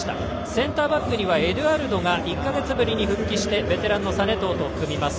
センターバックにはエドゥアルドが１か月ぶりに復帰してベテランの實藤と組みます。